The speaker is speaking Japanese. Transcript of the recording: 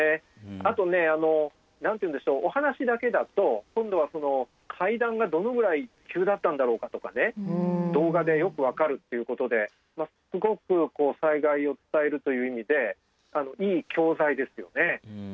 あとね何て言うんでしょうお話だけだと今度は階段がどのぐらい急だったんだろうかとか動画でよく分かるっていうことですごく災害を伝えるという意味でいい教材ですよね。